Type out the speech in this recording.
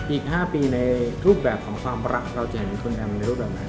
อีก๕ปีในรูปแบบของความรักเราจะเห็นคุณแอมในรูปแบบไหน